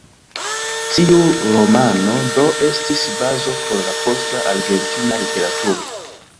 Tiu romano, do, estis bazo por la posta argentina literaturo.